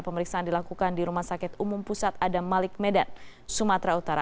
pemeriksaan dilakukan di rumah sakit umum pusat adam malik medan sumatera utara